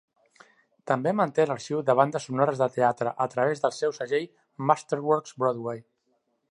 També manté l'arxiu de bandes sonores de teatre, a través del seu segell Masterworks Broadway.